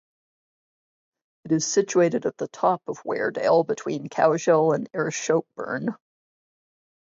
It is situated at the top of Weardale between Cowshill and Ireshopeburn.